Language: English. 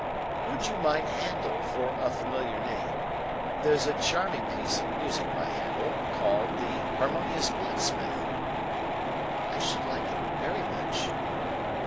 "Would you mind Handel for a familiar name? There's a charming piece of music by Handel, called the Harmonious Blacksmith." "I should like it very much."